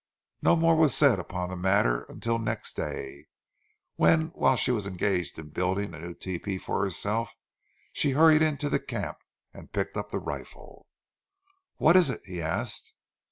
No more was said upon the matter until next day, when whilst she was engaged in building a new tepee for herself she hurried into the camp, and picked up the rifle. "What is it?" he asked.